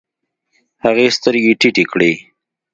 هغې سترګې ټيټې کړې.